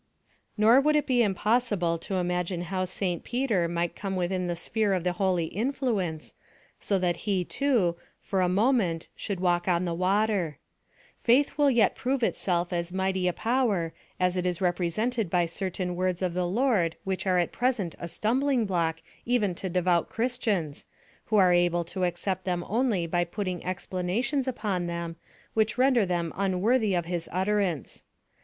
Nor would it be impossible to imagine how St Peter might come within the sphere of the holy influence, so that he, too, for a moment should walk on the water. Faith will yet prove itself as mighty a power as it is represented by certain words of the Lord which are at present a stumbling block even to devout Christians, who are able to accept them only by putting explanations upon them which render them unworthy of his utterance.